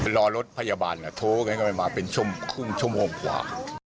รอรถพยาบาลน่ะโทรไว้มาเป็นชั่วโมงขวา